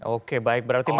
oke baik berarti masih